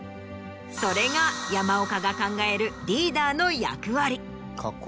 それが山岡が考えるリーダーの役割。